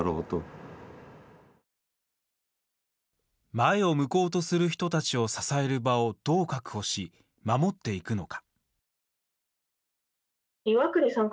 前を向こうとする人たちを支える場をどう確保し、守っていくのか。